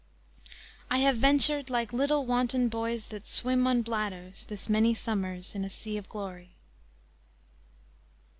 _"I have ventured Like little wanton boys that swim on bladders This many summers in a sea of glory."